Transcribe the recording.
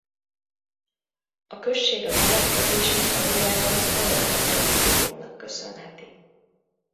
A község a keletkezését valójában az ellenreformációnak köszönheti.